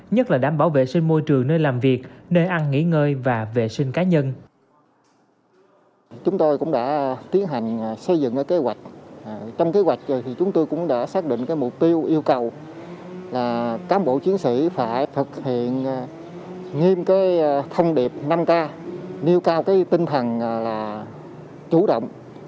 nhất là đảm bảo vệ sinh môi trường nơi làm việc nơi ăn nghỉ ngơi và vệ sinh cá nhân